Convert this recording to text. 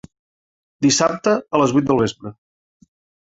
Dissabte a les vuit del vespre.